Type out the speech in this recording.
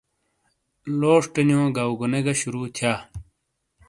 لوشٹے جو گاواگونے گی شروع تھیا۔